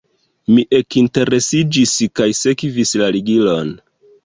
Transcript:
Mi ekinteresiĝis kaj sekvis la ligilon.